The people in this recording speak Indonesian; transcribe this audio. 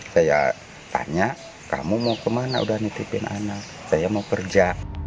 saya tanya kamu mau kemana udah nitipin anak saya mau kerja